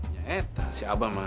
nyetah si abah mah